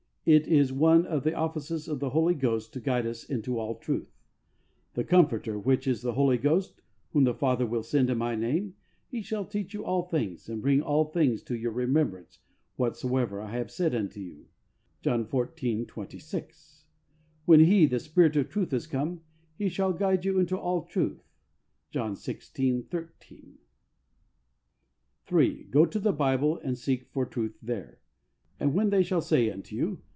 It is one of the offices of the Holy Ghost to guide us into all truth. " The Comforter, which is the Holy Ghost, whom the Father will send in My name, He shall teach you all things, and bring all things to your remembrance, whatsoever I have said unto you " [John xiv. 26). "When He, the Spirit of Truth, is come, He shall guide you into all truth" {John xvi. 13). (3.) Go to the Bible and seek for truth there. " And when they shall say unto you.